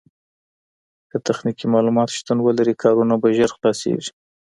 که تخنيکي معلومات شتون ولري کارونه به ژر خلاصيږي.